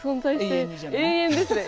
永遠ですね。